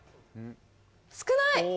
少ない！